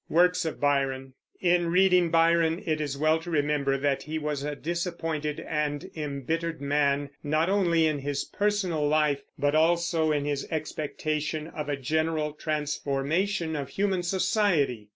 WORKS OF BYRON. In reading Byron it is well to remember that he was a disappointed and embittered man, not only in his personal life, but also in his expectation of a general transformation of human society.